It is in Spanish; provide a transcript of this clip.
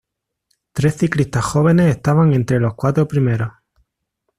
Tres ciclistas jóvenes estaban entre los cuatro primeros.